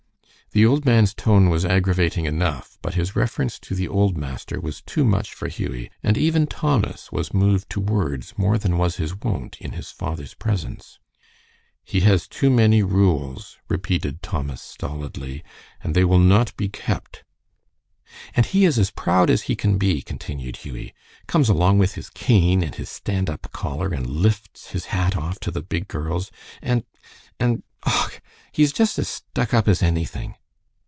The old man's tone was aggravating enough, but his reference to the old master was too much for Hughie, and even Thomas was moved to words more than was his wont in his father's presence. "He has too many rules," repeated Thomas, stolidly, "and they will not be kept." "And he is as proud as he can be," continued Hughie. "Comes along with his cane and his stand up collar, and lifts his hat off to the big girls, and and och! he's just as stuck up as anything!"